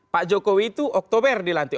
pak jokowi itu oktober dilantik